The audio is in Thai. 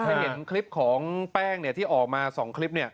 เห็นคลิปของแป้งที่ออกมา๒คลิป